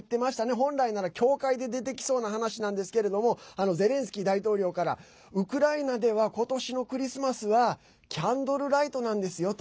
本来なら、教会で出てきそうな話なんですけれどもゼレンスキー大統領からウクライナでは今年のクリスマスはキャンドルライトなんですよと。